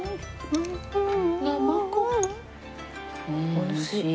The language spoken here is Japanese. おいしい。